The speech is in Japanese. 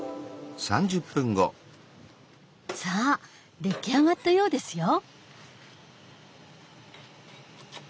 さあ出来上がったようですよ！